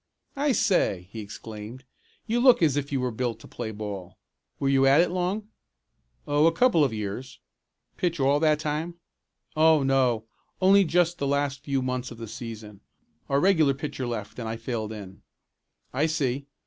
"I say!" he exclaimed, "you look as if you were built to play ball. Were you at it long?" "Oh, a couple of years." "Pitch all that time?" "Oh, no, only just the last few months of the season. Our regular pitcher left and I filled in." "I see.